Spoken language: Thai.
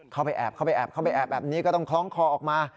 เข้าไปแอบนี่ก็ต้องคล้องคอออกมา